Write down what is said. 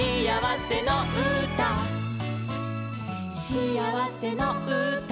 「しあわせのうた」